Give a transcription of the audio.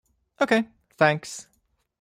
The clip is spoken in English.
Ok, thanks.